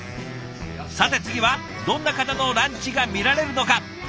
さて次はどんな方のランチが見られるのか。